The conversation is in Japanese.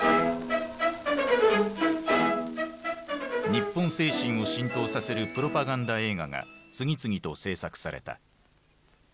日本精神を浸透させるプロパガンダ映画が次々と製作された。